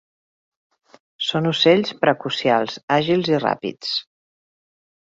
Són ocells precocials àgils i ràpids.